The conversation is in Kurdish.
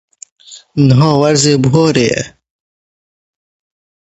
Welatê te û miletê te hewceyî dewletekê ye qe nebe hewceyî statûyê ye.